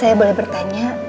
saya boleh bertanya